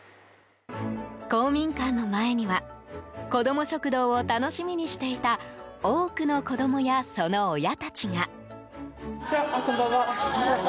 公民館の前には子ども食堂を楽しみにしていた多くの子供や、その親たちが。